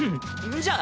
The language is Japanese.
じゃあ。